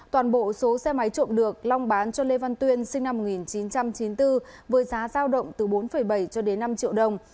toàn bộ số xe máy trộm được long bán cho lê văn tuyên sinh năm một nghìn chín trăm chín mươi bốn với giá giao động từ bốn bảy cho đến năm triệu đồng